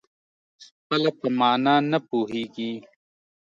خپله په مانا نه پوهېږي.